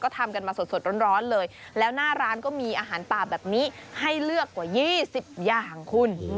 ทำกันมาสดร้อนเลยแล้วหน้าร้านก็มีอาหารป่าแบบนี้ให้เลือกกว่า๒๐อย่างคุณ